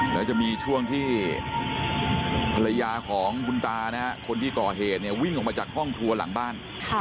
แล้วจะมีช่วงที่ภรรยาของคุณตานะฮะคนที่ก่อเหตุเนี่ยวิ่งออกมาจากห้องครัวหลังบ้าน